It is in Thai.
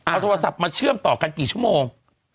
เอาโทรศัพท์มาเชื่อมต่อกันกี่ชั่วโมง